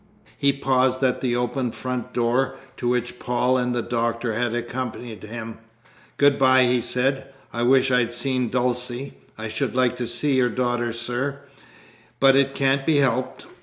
He paused at the open front door, to which Paul and the Doctor had accompanied him. "Good bye," he said; "I wish I'd seen Dulcie. I should like to see your daughter, sir; but it can't be helped.